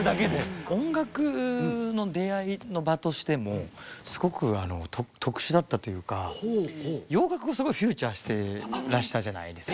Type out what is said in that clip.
音楽の出会いの場としてもすごくあの特殊だったというか洋楽をすごいフューチャーしてらしたじゃないですか。